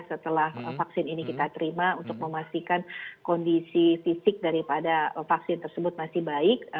setelah vaksin ini kita terima untuk memastikan kondisi fisik daripada vaksin tersebut masih baik